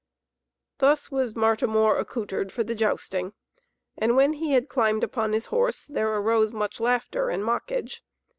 Thus was Martimor accoutred for the jousting, and when he had climbed upon his horse, there arose much laughter and mockage.